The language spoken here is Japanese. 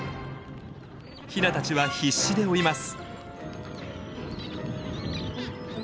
ヒナたちは必死で追います。